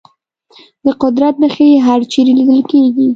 د قدرت نښې هرچېرې لیدل کېږي.